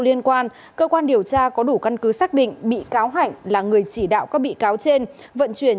liên quan cơ quan điều tra có đủ căn cứ xác định bị cáo hạnh là người chỉ đạo các bị cáo trên vận chuyển